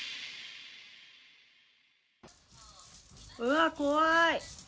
うわー、怖い。